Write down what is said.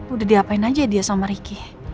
udah diapain aja dia sama ricky